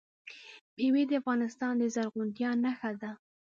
مېوې د افغانستان د زرغونتیا نښه ده.